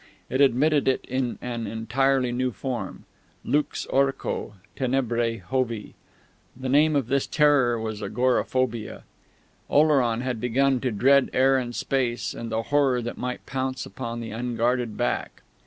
It admitted it in an entirely new form. Lux orco, tenebrae Jovi. The name of this terror was agoraphobia. Oleron had begun to dread air and space and the horror that might pounce upon the unguarded back.